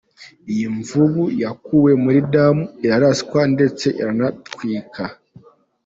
Iyi mvubu yakuwe mu idamu iraraswa ndetse iranatwika.